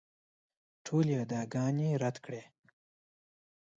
ټولې ادعاګانې رد کړې.